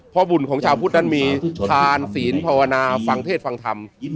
เพราะบุญของชาวพุทธนั้นมีทานศีลภาวนาฟังเทศฟังธรรม